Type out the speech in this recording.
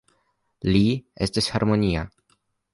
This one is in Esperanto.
Li estas harmonia.